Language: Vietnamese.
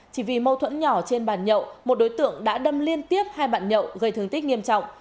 chỉ vì mâu thuẫn nhỏ trên bàn nhậu một đối tượng đã đâm liên tiếp hai bạn nhậu gây thương tích nghiêm trọng